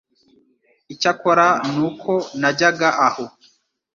Icyakora ni uko najyaga aho